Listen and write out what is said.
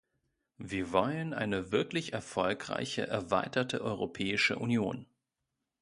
Wir wollen eine wirklich erfolgreiche erweiterte Europäische Union.